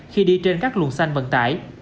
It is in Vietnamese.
khi đi trên các luồng xanh vận tải